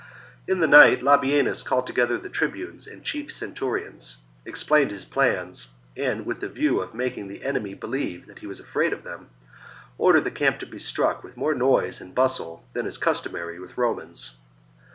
In the night Labienus called together the tribunes and chief centurions, ex plained his plans, and, with the view of making the enemy believe that he was afraid of them, ordered the camp to be struck with more noise and bustle than is customary with Romans.